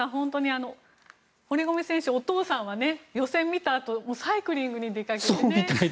堀米選手のお父さんは予選を見たあとサイクリングに出かけてね。